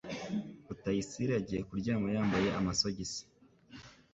Rutayisire yagiye kuryama yambaye amasogisi.